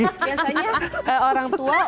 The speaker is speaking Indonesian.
biasanya orang tua